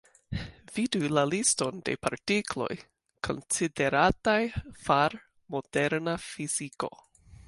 Vidu la liston de partikloj, konsiderataj far moderna fiziko.